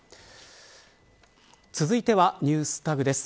続いてはＮｅｗｓＴａｇです。